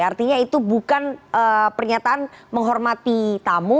artinya itu bukan pernyataan menghormati tamu